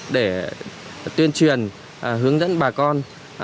để tuyên truyền hướng dẫn bà con